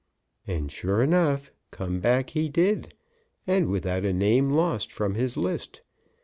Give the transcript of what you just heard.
And, sure enough, come back he did, and without a name lost from his list.